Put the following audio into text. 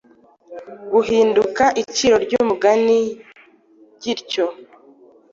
gihinduka iciro ry’umugani gityo